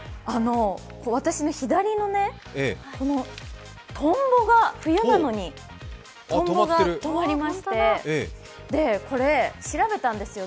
私の左にトンボが冬なのにとまりまして、これ、調べたんですよ。